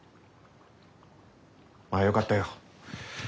まあよかったよ。